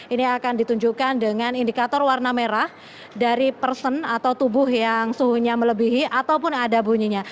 ini akan ditunjukkan dengan indikator warna merah dari person atau tubuh yang suhunya melebihi ataupun ada bunyinya